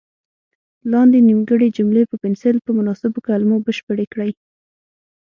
لاندې نیمګړې جملې په پنسل په مناسبو کلمو بشپړې کړئ.